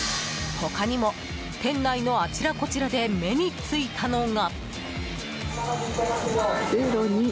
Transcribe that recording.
他にも、店内のあちらこちらで目についたのが。